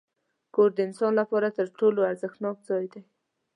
کور د انسان لپاره تر ټولو ارزښتناک ځای دی.